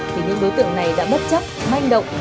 thì những đối tượng này đã bất chấp manh động